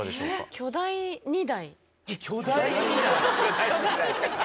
巨大荷台？